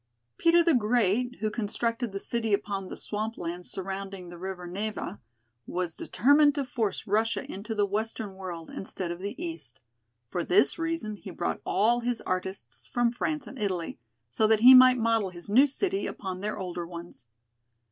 Peter the Great, who constructed the city upon the swamp lands surrounding the river Neva, was determined to force Russia into the western world instead of the east. For this reason he brought all his artists from France and Italy, so that he might model his new city upon their older ones.